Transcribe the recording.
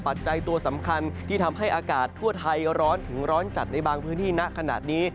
ปัจจัยตัวสำคัญที่ทำให้อากาศทั่วไทยร้อนถึงร้อนจัดในบางพื้นที่ณขณะนี้